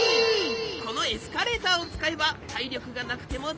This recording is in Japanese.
このエスカレーターをつかえばたいりょくがなくてもだいじょうぶ！